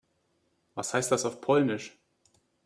Was heißt das auf Polnisch?